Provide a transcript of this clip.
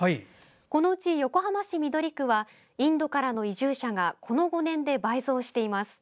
このうち横浜市緑区はインドからの移住者がこの５年で倍増しています。